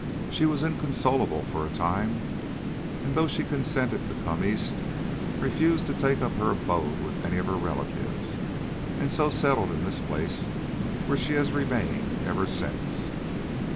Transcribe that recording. She was inconsolable for a time, and, though she consented to come East, refused to take up her abode with any of her relatives, and so settled in this place, where she has remained ever since."